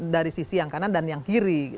dari sisi yang kanan dan yang kiri